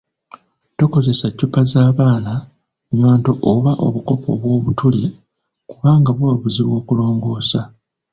Tokozesa ccupa za baana, nnywanto oba obukopo obw'obutuli, kubanga buba buzibu okulongoosa